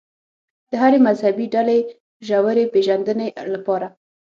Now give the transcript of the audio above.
د هرې مذهبي ډلې ژورې پېژندنې لپاره.